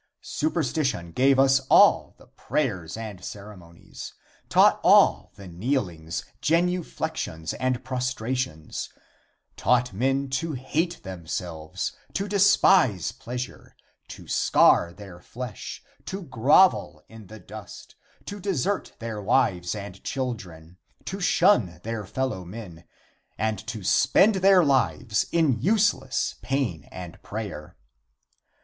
Superstition gave us all the prayers and ceremonies; taught all the kneelings, genuflections and prostrations; taught men to hate themselves, to despise pleasure, to scar their flesh, to grovel in the dust, to desert their wives and children, to shun their fellow men, and to spend their lives in useless pain and prayer.